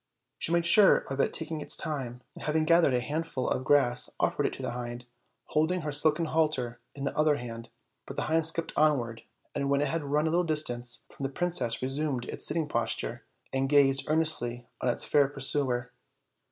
She made sure of taking it this time, and having gathered a handful of grass, offered it to the hind, holding her silken halter in the other hand; but the hind skipped onward, and when it had run a little distance from the princess resumed its sitting posture and gazed earnestly on its fair pursuer.